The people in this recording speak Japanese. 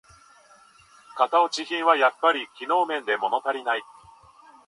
型落ち品はやっぱり機能面でものたりない